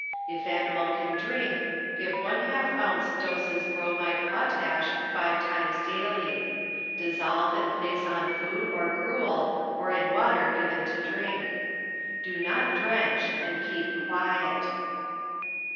If animal can drink give one half ounce doses bromide potash five times daily; dissolve and place on food or gruel or in wafer given to drink. Do not drench, and keep quiet.